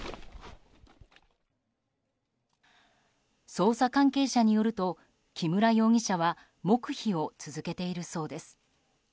捜査関係者によると木村容疑者は黙秘を続けているそうです。